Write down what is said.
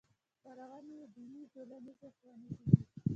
خپرونې یې دیني ټولنیزې او ښوونیزې دي.